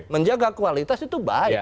menjaga kualitas itu baik